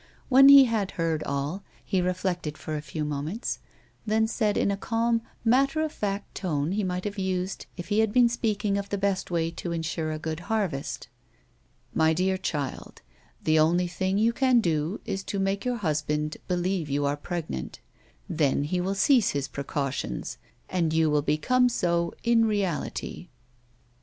When he had heard all, he reflected for a few moments, then said in the calm, mattei' of fact tone he might have used if he had been speaking of the best way to ensure a good harvest ;" My dear child, the only thing you can do is to make your husband believe you are pregnant ; then he will cease his precautions, and you will become so in reality."